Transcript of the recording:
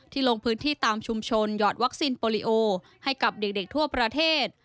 ลงพื้นที่ตามชุมชนหยอดวัคซีนโปรลิโอให้กับเด็กทั่วประเทศ